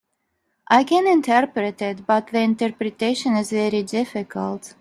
I can interpret it, but the interpretation is very difficult.